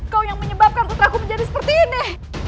kau yang menyebabkan putraku menjadi seperti ini